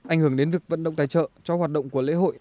ảnh hưởng đến việc vận động tài trợ cho hoạt động của lễ hội